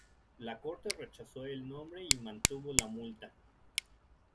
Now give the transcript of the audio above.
La corte rechazó el nombre y mantuvo la multa.